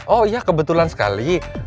oh iya kebetulan sekali